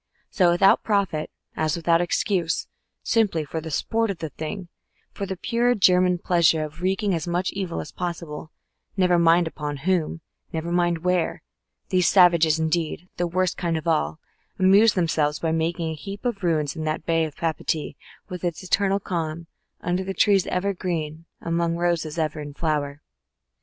So without profit, as without excuse, simply for the sport of the thing, for the pure German pleasure of wreaking as much evil as possible, never mind upon whom, never mind where, these savages, indeed "that worst kind of all," amused themselves by making a heap of ruins in that Bay of Papeete with its eternal calm, under trees ever green, among roses ever in flower.